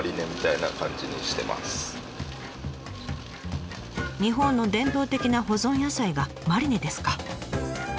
日本の伝統的な保存野菜がマリネですか。